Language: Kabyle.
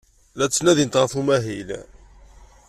La ttnadint ɣef umahil.